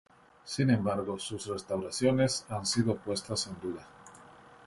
Sin embargo, sus restauraciones han sido puestas en duda.